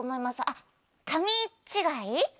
あっ神違い？